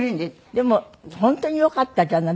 でも本当によかったじゃない。